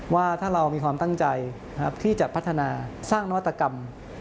ว่าถ้าเรามีความตั้งใจที่จะพัฒนาสร้างนวัตกรรม